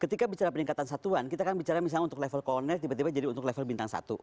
ketika bicara peningkatan satuan kita kan bicara misalnya untuk level corner tiba tiba jadi untuk level bintang satu